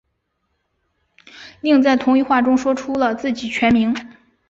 另在同一话中说出了自己全名。